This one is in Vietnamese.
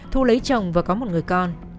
thu lấy chồng và có một người con